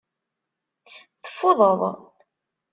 Teffudeḍ.